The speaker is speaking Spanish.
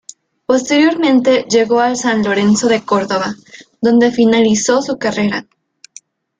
Posteriormente llegó al San Lorenzo de Córdoba donde finalizó su carrera.